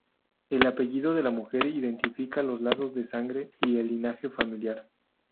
El apellido de la mujer identifica los lazos de sangre y el linaje familiar.